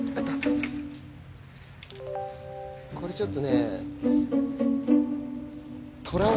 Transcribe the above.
これちょっとね。